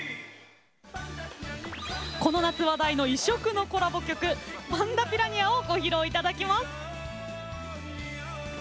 この夏話題の異色のコラボ曲「パンダピラニア」をご披露いただきます。